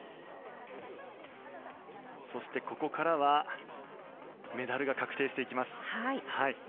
そして、ここからはメダルが確定していきます。